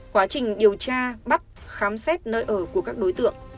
quá trình điều tra bắt khám xét nơi ở của các đối tượng